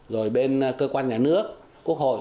rồi bên cơ quan nhà nước quốc hội